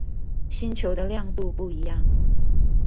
星球的亮度不一樣